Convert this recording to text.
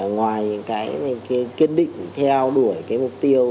ngoài những cái kiến định theo đuổi mục tiêu